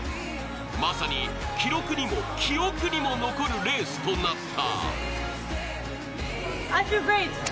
まさに記録にも記憶にも残るレースとなった。